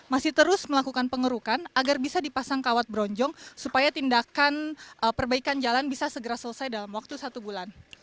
masih terus melakukan pengerukan agar bisa dipasang kawat bronjong supaya tindakan perbaikan jalan bisa segera selesai dalam waktu satu bulan